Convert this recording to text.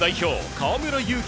河村勇輝